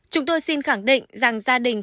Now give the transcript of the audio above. chúng tôi xin khẳng định rằng gia đình